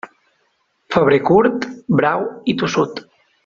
Febrer curt, brau i tossut.